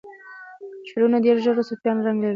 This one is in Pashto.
شعرونه یې ډیر ژور صوفیانه رنګ لري.